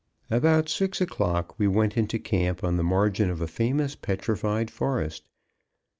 About six o'clock we went into camp on the margin of a famous petrified forest.